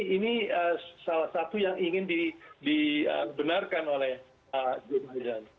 ini salah satu yang ingin dibenarkan oleh joe biden